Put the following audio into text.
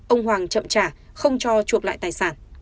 ông hoàng chậm trả không cho chuộc lại tài sản